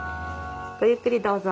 ごゆっくりどうぞ。